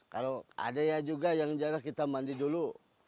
kalau ada ya juga yang jarak kita mandi dulu